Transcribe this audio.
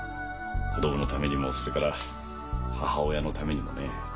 子供のためにもそれから母親のためにもね。